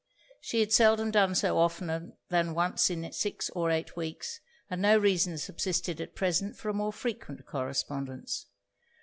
She had seldom done so oftener than once in six or eight weeks; and no reason subsisted at present for a more frequent correspondence.